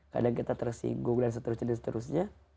kadang kita tersinggung dan seterusnya dan seterusnya